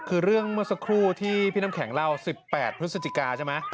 คือเรื่องเมื่อสักครู่ที่พี่น้ำแข็งเล่า๑๘พฤศจิกาใช่ไหม